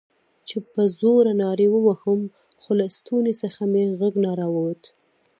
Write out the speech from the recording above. چې په زوره نارې ووهم، خو له ستوني څخه مې غږ نه راووت.